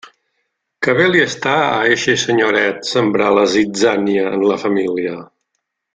Que bé li està a eixe senyoret sembrar la zitzània en la família!